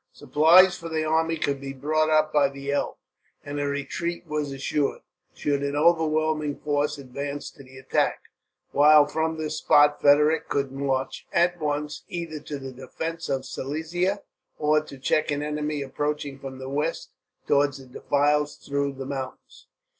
Supplies for the army could be brought up by the Elbe, and a retreat was assured, should an overwhelming force advance to the attack; while from this spot Frederick could march, at once, either to the defence of Silesia, or to check an enemy approaching from the west towards the defiles through the mountains.